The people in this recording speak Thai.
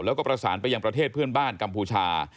แล้วก็ประสานไปยังประเทศเพื่อนบ้านกัมพูชา